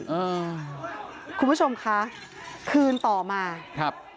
อืมคุณผู้ชมคะคืนต่อมาครับ